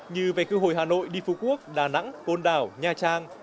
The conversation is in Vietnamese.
như về cư hồi hà nội đi phú quốc đà nẵng côn đảo nha trang